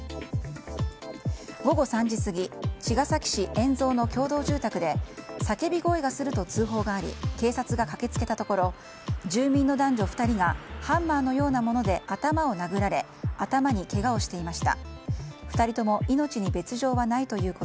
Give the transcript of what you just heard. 午後３時過ぎ茅ヶ崎市円蔵の共同住宅で叫び声がすると通報があり警察が駆けつけたところ住民の男女２人がハンマーのようなもので頭を殴られ頭にけがをしていました。